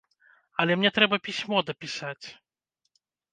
Але мне трэба пісьмо дапісаць.